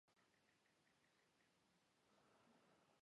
აიღეს მთელი კვარტალი და საგრძნობლად გააფართოვეს მოედანი.